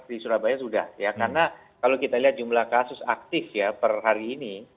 di surabaya sudah ya karena kalau kita lihat jumlah kasus aktif ya per hari ini